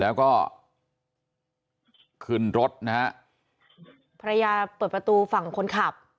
แล้วก็ขึ้นรถนะฮะภรรยาเปิดประตูฝั่งคนขับ